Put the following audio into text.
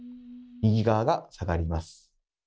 右側が下がります。